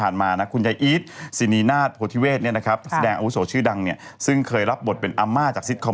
นั่นคุณวิธิปิดช่วงเลยไหม